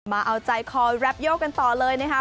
มาเอาใจคอแรปโยกันต่อเลยนะคะ